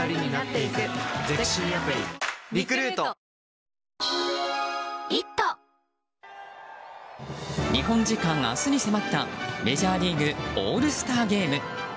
おいしい免疫ケア日本時間明日に迫ったメジャーリーグオールスターゲーム。